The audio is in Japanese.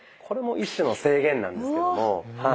これも一種の制限なんですけども。